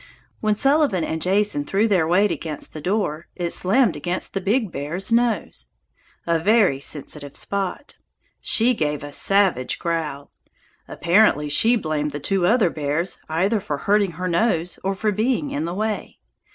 When Sullivan and Jason threw their weight against the door it slammed against the big bear's nose, a very sensitive spot. She gave a savage growl. Apparently she blamed the two other bears either for hurting her nose or for being in the way.